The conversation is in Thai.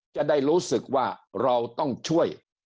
จะได้รู้สึกว่าเราต้องช่วย